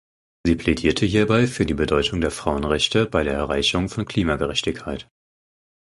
Sie plädierte hierbei für die Bedeutung der Frauenrechte bei der Erreichung von Klimagerechtigkeit.